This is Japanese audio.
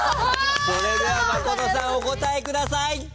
それでは真琴さんお答えください。